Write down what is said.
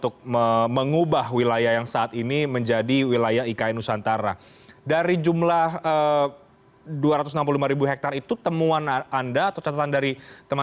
pembaruan agraria pembaruan agraria